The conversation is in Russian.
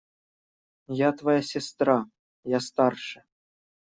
Я твоя сестра… Я старше.